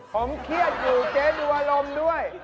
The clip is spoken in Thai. ผมเครียดอยู่เจ๊ดูอารมณ์ด้วย